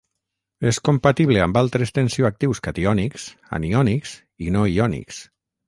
És compatible amb altres tensioactius catiònics, aniònics i no iònics.